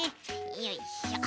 よいしょ。